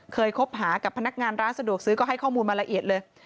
คบหากับพนักงานร้านสะดวกซื้อก็ให้ข้อมูลมาละเอียดเลย